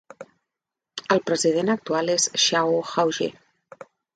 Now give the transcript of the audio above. El president actual és Shao Hauje.